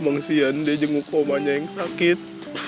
emang si yande jenguk komanya yang sakit